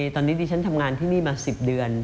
ตอนนี้ดิฉันทำงานที่นี่มา๑๐เดือน